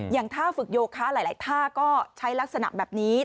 ท่าฝึกโยคะหลายท่าก็ใช้ลักษณะแบบนี้